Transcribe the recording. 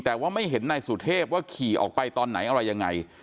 แต่ว่าไม่เห็นนายสุเทพว่าขี่ออกไปตอนไหนอะไรยังไง